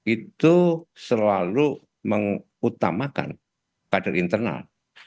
itu selalu mengutamakan kader internal